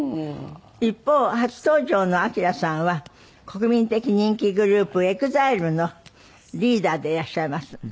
一方初登場のＡＫＩＲＡさんは国民的人気グループＥＸＩＬＥのリーダーでいらっしゃいます。